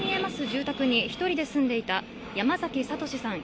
住宅に一人で住んでいた山崎悟志さん